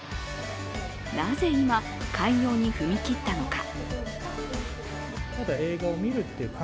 なぜ今、開業に踏み切ったのか。